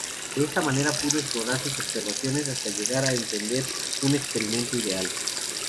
De esta manera pudo extrapolar sus observaciones hasta llegar a entender un experimento ideal.